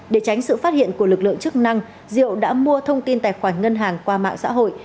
để tránh sự phát hiện của lực lượng chức năng diệu đã mua thông tin tài khoản ngân hàng qua mạng xã hội